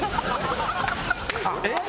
えっ？